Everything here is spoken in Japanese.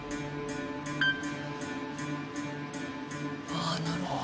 ああなるほど。